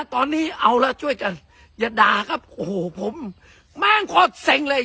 ตอนนี้เอาละช่วยกันอย่าด่าครับโอ้โหผมแม่งคอดเซ็งเลย